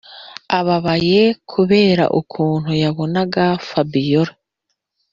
ababaye kubera ukuntu yabonaga fabiora